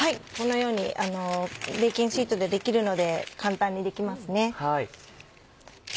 このようにベーキングシートでできるので簡単にできますね。